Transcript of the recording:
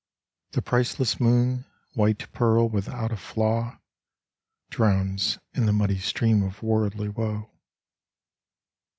The priceless moon, white pearl without a flaw, Drowns in the muddy stream of worldly woe.